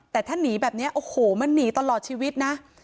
แต่ถ้าหนีแบบนี้โอ้โหมันหนีตลอดชีวิตนะ